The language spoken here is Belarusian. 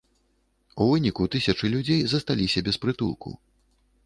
У выніку тысячы людзей засталіся без прытулку.